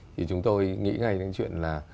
thì chúng tôi nghĩ ngay đến chuyện là